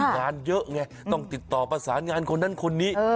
งานเยอะไงต้องติดต่อประสานงานคนนั้นคนนี้